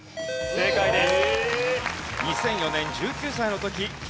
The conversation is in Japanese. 正解です。